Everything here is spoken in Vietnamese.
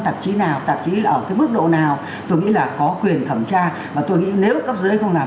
tạp chí nào tạp chí là ở cái mức độ nào tôi nghĩ là có quyền thẩm tra mà tôi nghĩ nếu cấp dưới không làm